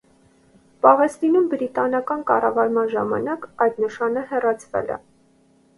Պաղեստինում բրիտանական կառավարման ժամանակ այդ նշանը հեռացվել է։